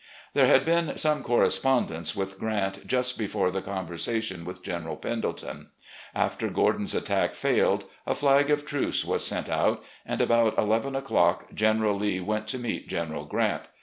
There had been some correspondence with Grant, just before the conversation with General Pendleton. After Gordon's attack failed, a flag of truce was sent out, and, about eleven o'clock. General Lee went to meet General Grant.